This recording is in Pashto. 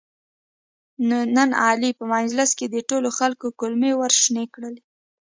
نن علي په مجلس کې د ټولو خلکو کولمې ورشنې کړلې.